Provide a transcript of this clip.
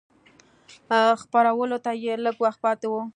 خپرولو ته یې لږ وخت پاته و.